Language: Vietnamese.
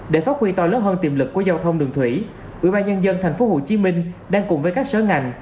để phát huy to lớn hơn tiềm lực của giao thông đường thủy ubnd thành phố hồ chí minh đang cùng với các sở ngành